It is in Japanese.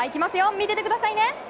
見ててくださいね。